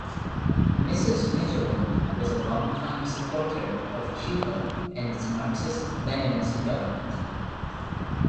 Mrs. Mitterrand was a longtime supporter of Cuba and its Marxist-Leninist government.